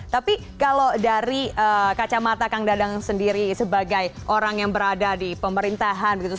tapi kalau dari kacamata kang dadang sendiri sebagai orang yang berada di pemerintahan begitu